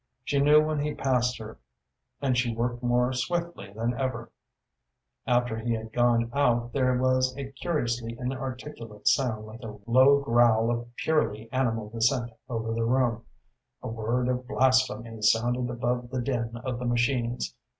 She knew when he passed her, and she worked more swiftly than ever. After he had gone out there was a curiously inarticulate sound like a low growl of purely animal dissent over the room; a word of blasphemy sounded above the din of the machines.